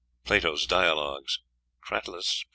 (Plato's "Dialogues," Cratylus, p.